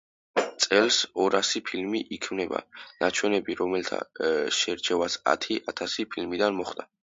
წელს ორასი ფილმი იქნება ნაჩვენები, რომელთა შერჩევაც ათი ათასი ფილმიდან მოხდა.